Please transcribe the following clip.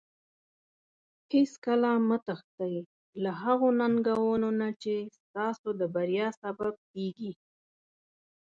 هیڅکله مه تښتي له هغو ننګونو نه چې ستاسو د بریا سبب کیږي.